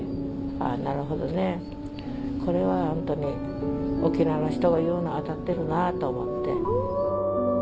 あなるほどね。これはホントに沖縄の人が言うのは当たってるなと思って。